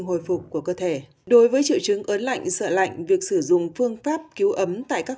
hồi phục của cơ thể đối với triệu chứng ớn lạnh sợ lạnh việc sử dụng phương pháp cứu ấm tại các